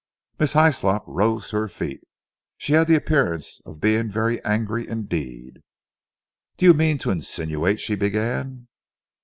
Miss Hyslop rose to her feet. She had the appearance of being very angry indeed. "Do you mean to insinuate " she began.